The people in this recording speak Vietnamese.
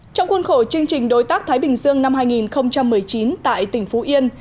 trong khuôn khổ chương trình đối tác thái bình dương năm hai nghìn một mươi chín tại tỉnh phú yên